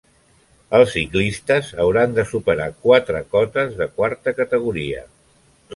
Els ciclistes hauran de superar quatre cotes de quarta categoria.